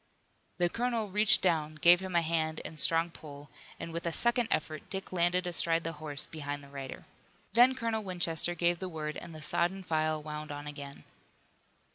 The colonel reached down, gave him a hand and a strong pull, and with a second effort Dick landed astride the horse behind the rider. Then Colonel Winchester gave the word and the sodden file wound on again.